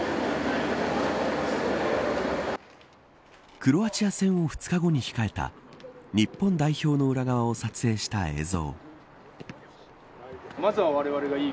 クロアチア戦を２日後に控えた日本代表の裏側を撮影した映像。